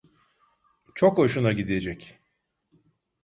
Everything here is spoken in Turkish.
Çok hoşuna gidecek.